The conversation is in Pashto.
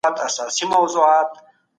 تاسو د ښه فکر له لاري خپل غصه کنټرولوی.